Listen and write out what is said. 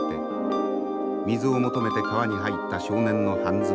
水を求めて川に入った少年の半ズボン。